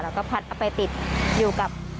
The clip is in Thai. แล้วก็พัดเอาไปติดอยู่กับ